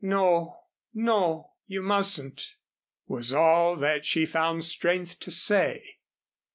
"No, no, you mustn't," was all that she found strength to say.